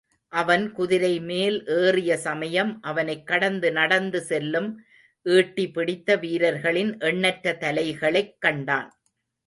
அவன் குதிரை மேல் ஏறிய சமயம் அவனைக் கடந்து நடந்து செல்லும் ஈட்டிபிடித்த வீரர்களின் எண்ணற்ற தலைகளைக் கண்டான்.